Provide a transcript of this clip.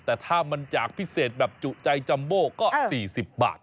แต่ถ้ามันจากพิเศษแบบจุใจจัมโบก็๔๐บาท